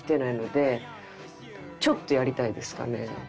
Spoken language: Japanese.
ちょっとやりたいですかね。